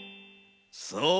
そう！